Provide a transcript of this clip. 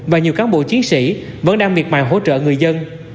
và nhiều cán bộ chiến sĩ vẫn đang miệt mài hỗ trợ người dân